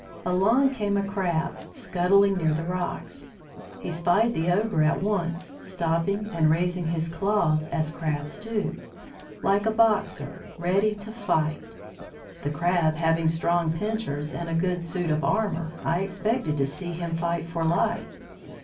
Along came a Crab, scuttling near the rocks. He spied the ogre, at once stopping and raising his claws as Crabs do, like a boxer ready to fight. The Crab having strong pincers, and a good suit of armour, I expected to see him fight for life.